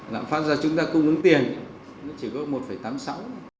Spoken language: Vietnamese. lạm phát ra chúng ta cung ứng tiền nó chỉ có một tám mươi sáu